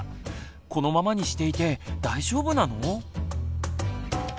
このままにしていて大丈夫なの？